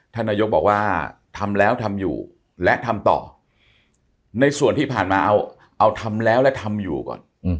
ท่านนายกบอกว่าทำแล้วทำอยู่และทำต่อในส่วนที่ผ่านมาเอาทำแล้วและทำอยู่ก่อน